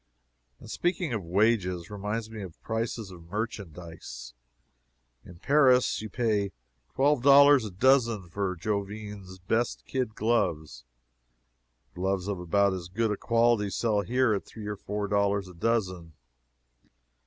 And, speaking of wages, reminds me of prices of merchandise. In Paris you pay twelve dollars a dozen for Jouvin's best kid gloves; gloves of about as good quality sell here at three or four dollars a dozen.